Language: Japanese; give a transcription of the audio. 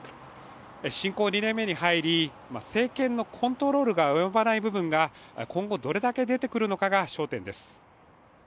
侵攻２年目に入り政権のコントロールが及ばない部分が今後どれだけ出てくるのかが焦点です。